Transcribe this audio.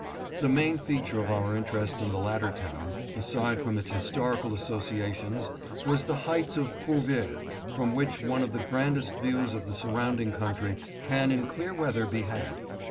The main feature of our interest in the latter town, aside from its historical associations, was the Heights of Fourvieres, from which one of the grandest views of the surrounding country can in clear weather be had.